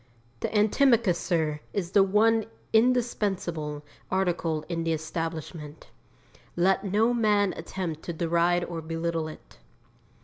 The antimacassar is the one indispensable article in the establishment. Let no man attempt to deride or belittle it.